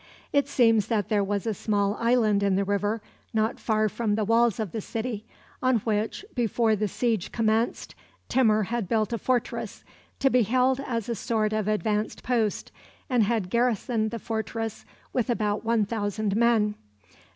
It seems that there was a small island in the river, not far from the walls of the city, on which, before the siege commenced, Timur had built a fortress, to be held as a sort of advanced post, and had garrisoned the fortress with about one thousand men.